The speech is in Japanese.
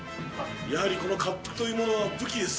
やはり、このかっぷくというものは武器です。